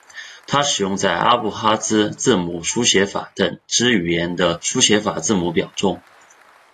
它使用在阿布哈兹字母书写法等之语言的书写法字母表中。